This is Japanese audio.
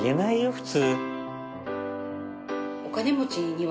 普通。